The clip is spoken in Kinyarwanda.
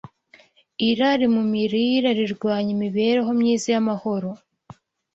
Irari mu mirire rirwanya imibereho myiza n’amahoro